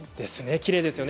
きれいですよね。